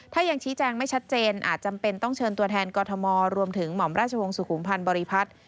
ถ้ายังชี้แจงไม่ชัดเจนอาจจำเป็นต้องเชิญตัวแทนกรทมรวมถึงหม่อมราชวงศ์สุขุมพันธ์บริพัฒน์